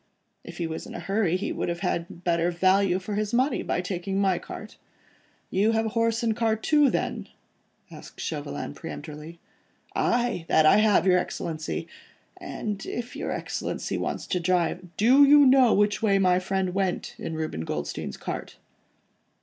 If he was in a hurry, he would have had better value for his money by taking my cart." "You have a horse and cart too, then?" asked Chauvelin, peremptorily. "Aye! that I have, your Excellency, and if your Excellency wants to drive ..." "Do you happen to know which way my friend went in Reuben Goldstein's cart?"